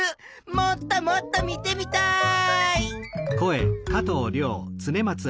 もっともっと見てみたい！